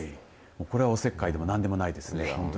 これはおせっかいでも何でもないですね。